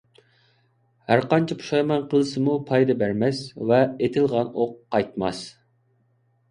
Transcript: ھەرقانچە پۇشايمان قىلسىمۇ پايدا بەرمەس ۋە ئېتىلغان ئوق قايتماس.